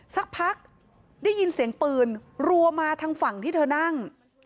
สักพักได้ยินเสียงปืนรัวมาทางฝั่งที่เธอนั่ง